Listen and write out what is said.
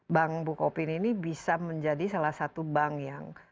bank bukopin ini bisa menjadi salah satu bank yang